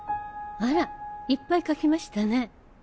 あらいっぱい描きましたね。